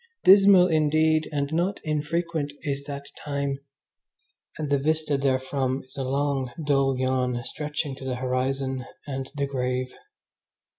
Dismal indeed, and not infrequent, is that time, and the vista therefrom is a long, dull yawn stretching to the horizon and the grave.